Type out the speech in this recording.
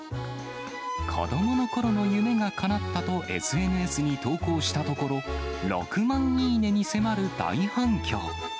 子どものころの夢がかなったと、ＳＮＳに投稿したところ、６万いいねに迫る大反響。